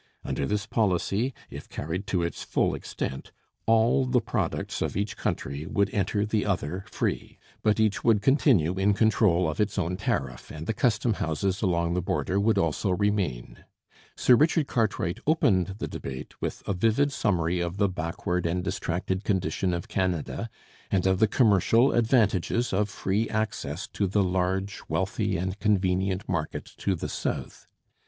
Under this policy, if carried to its full extent, all the products of each country would enter the other free, but each would continue in control of its own tariff, and the customhouses along the border would also remain. Sir Richard Cartwright opened the debate with a vivid summary of the backward and distracted condition of Canada, and of the commercial advantages of free access to the large, wealthy, and convenient market to the south.